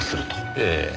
ええ。